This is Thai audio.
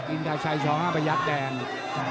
อินทาชัยช้องอาบยัดแดง